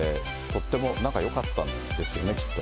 とっても仲よかったんですよね？